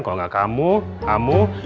kalau gak kamu kamu